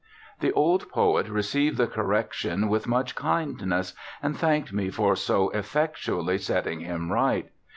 The old poet received the correction, with much kindness, and thanked me for so effectually setting him right.